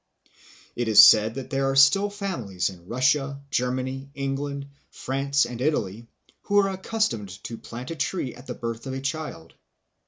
It is said that there are still families in Russia, Germany, England, France, and Italy who are accustomed to plant a tree at the birth of a child.